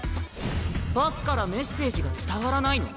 パスからメッセージが伝わらないの？